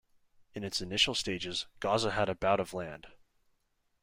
In its initial stages, Gaza had about of land.